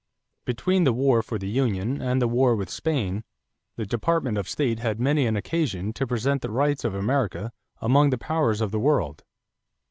= Between the war for the union and the war with Spain, the Department of State had many an occasion to present the rights of America among the powers of the world.